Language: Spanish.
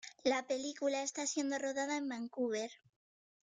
La película está siendo rodada en Vancouver.